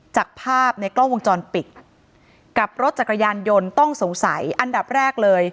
จากภาพในกล้องวงจรปิดกับรถจักรยานยนต์ต้องสงสัยอันดับแรกเลย